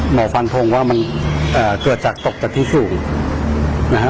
หมอฟันทงว่ามันเกิดจากตกจากที่สูงนะฮะ